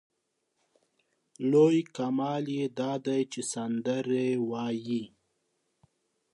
لوی کمال یې دا دی چې سندرې وايي.